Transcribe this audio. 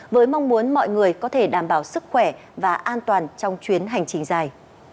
với mong muốn mọi người có thể đảm bảo sức khỏe và an toàn trong chuyến hành trình dài